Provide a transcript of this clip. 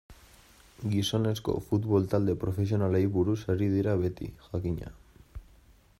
Gizonezko futbol talde profesionalei buruz ari dira beti, jakina.